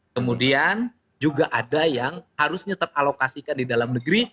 kemudian juga ada yang harusnya teralokasikan di dalam negeri